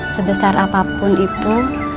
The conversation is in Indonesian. sebesar apapun itu